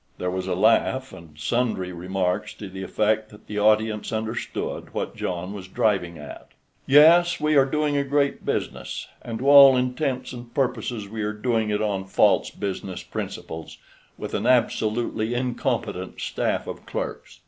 There was a laugh, and sundry remarks to the effect that the audience understood what John was driving at. "Yes, we are doing a great business, and to all intents and purposes we are doing it on false business principles, and with an absolutely incompetent staff of clerks.